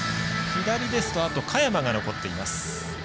左ですとあとは嘉弥真が残っています。